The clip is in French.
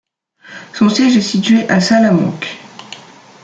Son siège est situé à Salamanque.